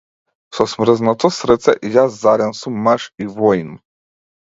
Со смрзнато срце јас заден сум маж и воин.